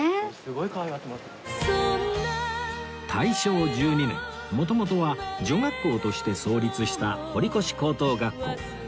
大正１２年元々は女学校として創立した堀越高等学校